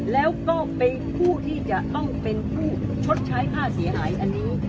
แล้วก็เป็นผู้ที่จะต้องเป็นผู้ชดใช้ค่าเสียหายอันนี้